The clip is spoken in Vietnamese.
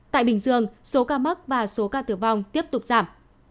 tại bình dương số ca mắc và số ca tử vong tiếp tục giảm